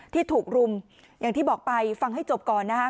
ที่ถูกรุมอย่างที่บอกไปฟังให้จบก่อนนะคะ